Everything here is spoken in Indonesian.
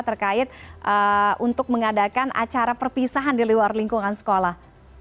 terkait untuk mengadakan acara perpisahan di luar lingkungan sekolah